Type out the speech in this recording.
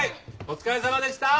お疲れさまでした。